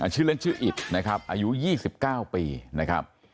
ชื่อเล่นชื่ออิตนะครับอายุ๒๙ปีนะครับ